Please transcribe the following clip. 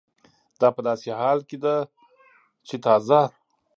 دا په داسې حال کې ده چې تازه